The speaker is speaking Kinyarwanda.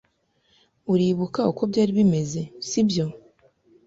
Uribuka uko byari bimeze, sibyo?